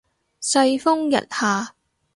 世風日下